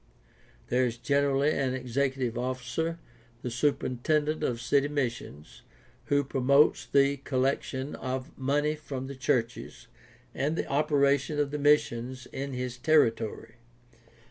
There is generally an executive officer, the superintendent of city missions, who promotes the collection of money from the churches and the operation of the missions in his territory.